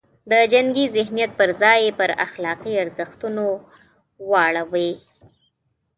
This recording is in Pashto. د جنګي ذهنیت پر ځای یې پر اخلاقي ارزښتونو واړوي.